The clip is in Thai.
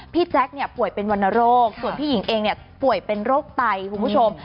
พี่แจ๊กเนี่ยป่วยเป็นวรรณโรคส่วนพี่หญิงเองเนี่ยป่วยเป็นโรคไตคุณผู้ชม